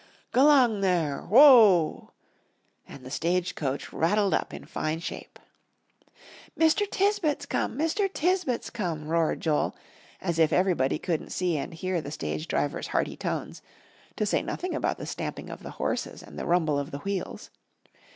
"G'lang there! Whoa!" And the stagecoach rattled up in fine shape. "Mr. Tisbett's come! Mr. Tisbett's come!" roared Joel, as if everybody couldn't see and hear the stage driver's hearty tones, to say nothing about the stamping of the horses and the rumble of the wheels.